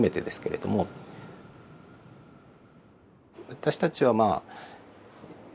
私たちはまあ